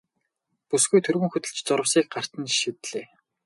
Бүсгүй түргэн хөдөлж зурвасыг гарт нь шидлээ.